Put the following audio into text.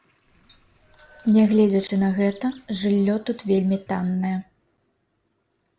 Нягледзячы на гэта, жыллё тут вельмі таннае.